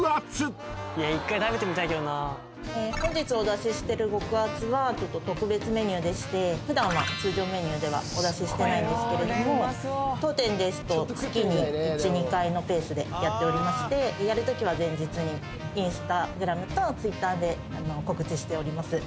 本日お出ししてる極厚は特別メニューでして普段は通常メニューではお出ししてないんですけれども当店ですと月に１２回のペースでやっておりましてやるときは前日にＩｎｓｔａｇｒａｍとＴｗｉｔｔｅｒで告知しております。